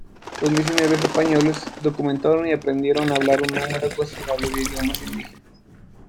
Los misioneros españoles documentaron y aprendieron a hablar un número considerable de idiomas indígenas.